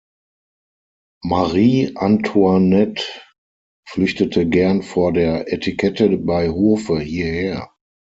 Marie Antoinette flüchtete gern vor der Etikette bei Hofe hierher.